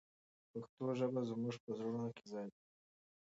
پښتو ژبه زموږ په زړونو کې ځای لري.